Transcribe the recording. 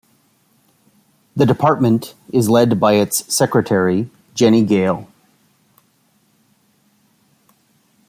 The department is led by its Secretary, Jenny Gale.